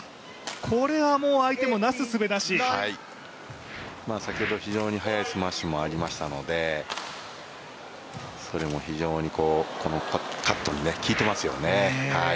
これはもう、相手も先ほど非常に速いスマッシュもありましたのでそれも非常にカットに効いてますよね。